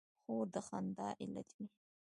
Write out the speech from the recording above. خور د خندا علت وي.